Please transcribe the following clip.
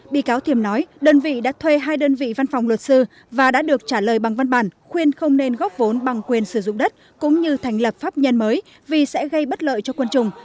bị cáo thiềm nói đơn vị đã thuê hai đơn vị văn phòng luật sư và đã được trả lời bằng văn bản khuyên không nên góp vốn bằng quyền sử dụng đất cũng như thành lập pháp nhân mới vì sẽ gây bất lợi cho quân chủng